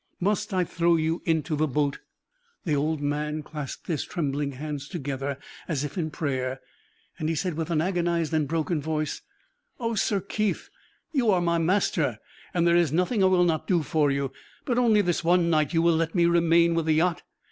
Must I throw you into the boat?" The old man clasped his trembling hands together as if in prayer; and he said, with an agonized and broken voice: "O Sir Keith, you are my master, and there is nothing I will not do for you; but only this one night you will let me remain with the yacht?